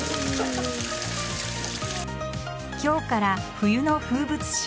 今日から冬の風物詩